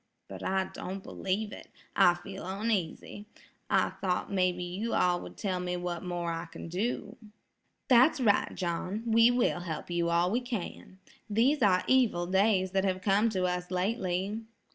But I don't believe it. I feel oneasy. I thought maybe you all would tell what more I can do." "That's right, John. We will help you all we can. These are evil days that have come to us lately."